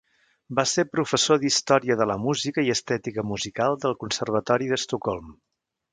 Va ser professor d'història de la música i estètica musical del conservatori d'Estocolm.